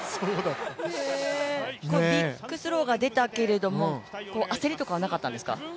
ビックスローが出たけれども、焦りとかはなかったんですか？